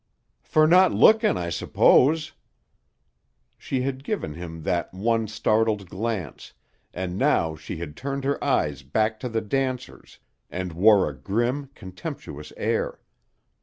"Fer not lookin', I suppose." She had given him that one startled glance, and now she had turned her eyes back to the dancers and wore a grim, contemptuous air.